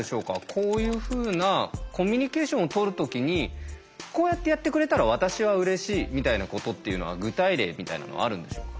こういうふうなコミュニケーションをとるときにこうやってやってくれたら私はうれしいみたいなことっていうのは具体例みたいなのはあるんでしょうか。